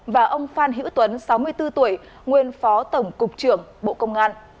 và ông phan hữu tuấn sáu mươi bốn tuổi nguyên phó tổng cục trưởng bộ công an